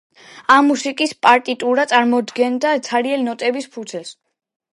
ამ მუსიკის პარტიტურა წარმოადგენდა ცარიელ ნოტების ფურცელს.